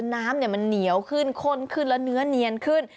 น้ำมันเหนียวขึ้นข้นขึ้นแล้วเนื้อเนียนขึ้น